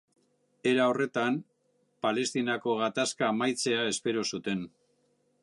Era horretan, Palestinako gatazka amaitzea espero zuten.